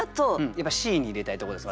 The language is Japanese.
やっぱＣに入れたいところです